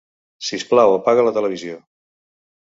Sisplau, apaga la televisió.